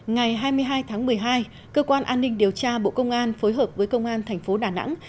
ngày hai mươi hai tháng một mươi hai cơ quan an ninh điều tra bộ công an phối hợp với công an thành phố đà nẵng